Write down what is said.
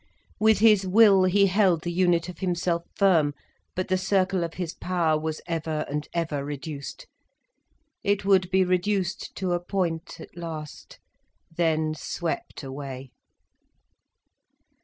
With his will he held the unit of himself firm, but the circle of his power was ever and ever reduced, it would be reduced to a point at last, then swept away.